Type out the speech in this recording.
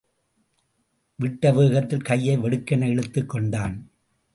விட்டவேகத்தில் கையை வெடுக்கென இழுத்துக் கொண்டான்.